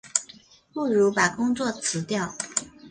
不如把工作辞掉